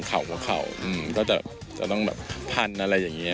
หัวเข่าก็จะต้องแบบพันอะไรอย่างนี้